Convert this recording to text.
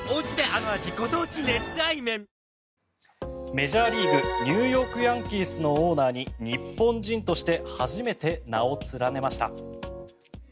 メジャーリーグニューヨーク・ヤンキースのオーナーに日本人として初めて名を連ねました。